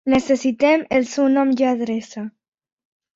Necessitem el seu nom i adreça.